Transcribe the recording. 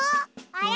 あれ？